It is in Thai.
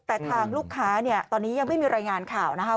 แต่ทางลูกค้าเนี่ยตอนนี้ยังไม่มีรายงานข่าวนะคะ